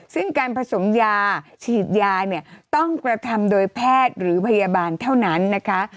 ซึ่งการผสมยาฉีดยาเนี่ยต้องกระทำโดยแพทย์หรือพยาบาลเท่านั้นนะคะ